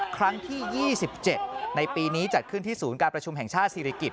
ครั้งที่๒๗ในปีนี้จัดขึ้นที่ศูนย์การประชุมแห่งชาติศิริกิจ